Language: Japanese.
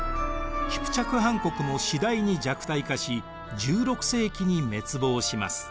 キプチャク・ハン国も次第に弱体化し１６世紀に滅亡します。